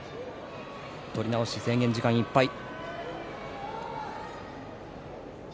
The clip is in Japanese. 取り直し、制限時間いっぱい。